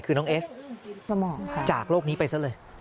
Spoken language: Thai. คือน้องเอสจากโลกนี้ไปซะเลย